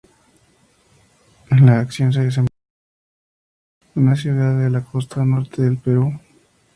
La acción se desenvuelve en Piura, una ciudad de la costa norte del Perú.